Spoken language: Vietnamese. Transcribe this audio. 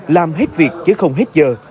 làm hết việc chứ không hết giờ